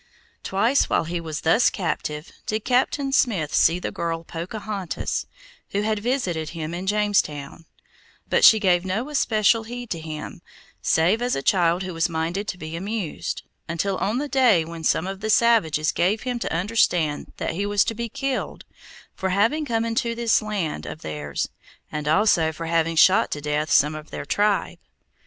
Twice while he was thus captive did Captain Smith see the girl Pocahontas, who had visited him in Jamestown; but she gave no especial heed to him, save as a child who was minded to be amused, until on the day when some of the savages gave him to understand that he was to be killed for having come into this land of theirs, and also for having shot to death some of their tribe.